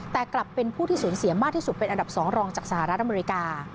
แต่กลับเป็นผู้ที่สูญเสียมากที่สุดเป็นอันดับ๒รองจากสหรัฐอเมริกา